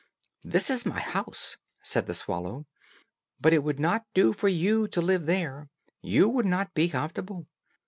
"This is my house," said the swallow; "but it would not do for you to live there you would not be comfortable.